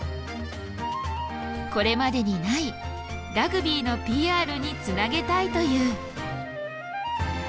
これまでにないラグビーのＰＲにつなげたいという。